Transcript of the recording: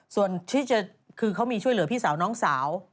ส่วนที่จะคือเขามีช่วยเหลือพี่สาวน้องสาว